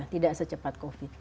tidak secepat covid